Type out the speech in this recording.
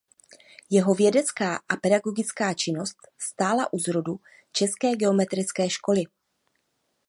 Jeho vědecká a pedagogická činnost stála u zrodu české geometrické školy.